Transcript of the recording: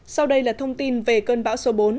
sau đây là thông tin về cơn bão số bốn